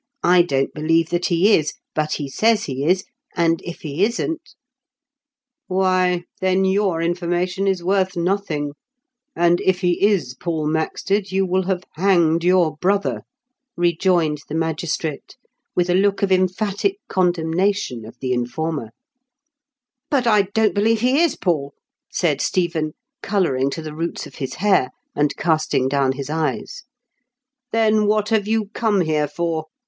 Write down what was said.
I don't believe that he is, but he says he is, and if he isnt "Why, then your information is worth nothing ; and, if he is Paul Maxted, you will have hanged your brother," rejoined the magis trate, with a look of emphatic condemnation of the informer. 284 IN KENT WITH CHABLE8 DICKENS. "But I don't believe he is Paul," said Stephen, colouring to the roots of his hair, and casting down his eyes. "Then what have you come here for?"